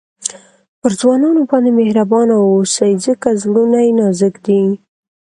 پر ځوانانو باندي مهربانه واوسئ؛ ځکه زړونه ئې نازک دي.